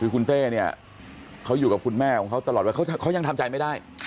คือคุณเต้เนี่ยเขาอยู่กับคุณแม่ของเขาตลอดว่าเขายังทำใจไม่ได้